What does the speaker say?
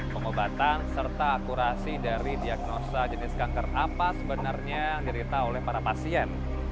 pengobatan serta akurasi dari diagnosa jenis kanker apa sebenarnya yang diderita oleh para pasien